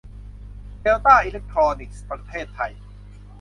เดลต้า อีเลคโทรนิคส์ ประเทศไทย